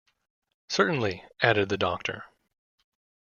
‘Certainly,’ added the doctor.